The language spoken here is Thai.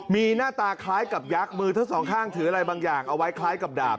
มีหน้าตาคล้ายกับยักษ์มือทั้งสองข้างถืออะไรบางอย่างเอาไว้คล้ายกับดาบ